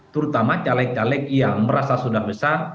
terutama caleg caleg yang merasa sudah besar